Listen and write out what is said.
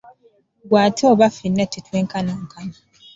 Ggwe ate oba ffenna tetwenkanankana.